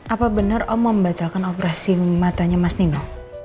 apa benar om membatalkan operasi matanya mas nino